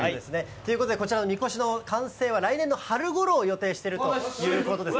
ということで、こちらの神輿の完成は来年の春ごろを予定しているということです。